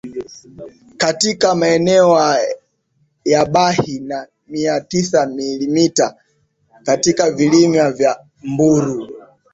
katika maeneo ya Bahi na mia tisa Milimita katika vilima vya Mbulu